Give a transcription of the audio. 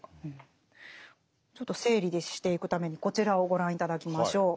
ちょっと整理していくためにこちらをご覧頂きましょう。